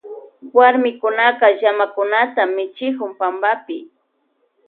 Warmikunaka llamakunata michikun pampapi.